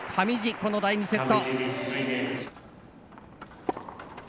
この第２セット。